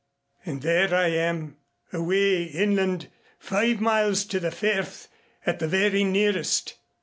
And there I am away inland five miles to the firth at the very nearest.